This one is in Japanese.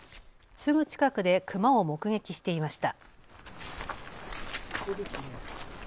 すぐ近くでクマを目撃していました。